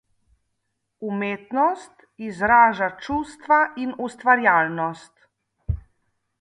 Umetnost izraža čustva in ustvarjalnost.